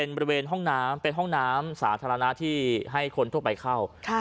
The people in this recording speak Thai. บริเวณห้องน้ำเป็นห้องน้ำสาธารณะที่ให้คนทั่วไปเข้า